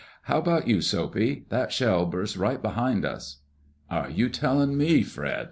"How about you, Soapy? That shell burst right behind us." "Are you telling me, Fred?"